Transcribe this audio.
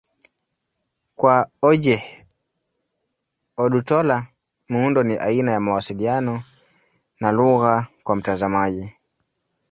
Kwa Ojih Odutola, muundo ni aina ya mawasiliano na lugha kwa mtazamaji.